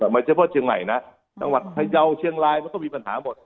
ไม่ใช่เพราะเชียงใหม่นะจังหวัดพยาวเชียงรายมันก็มีปัญหาหมด